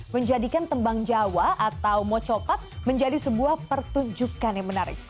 menjadikan tembang jawa atau mocopat menjadi sebuah pertunjukan yang menarik